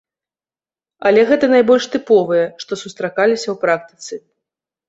Але гэта найбольш тыповыя, што сустракаліся ў практыцы.